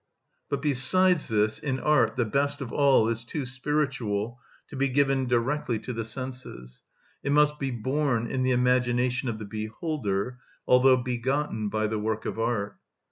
But besides this, in art the best of all is too spiritual to be given directly to the senses; it must be born in the imagination of the beholder, although begotten by the work of art.